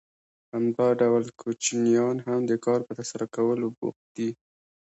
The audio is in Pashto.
همدا ډول کوچنیان هم د کار په ترسره کولو بوخت دي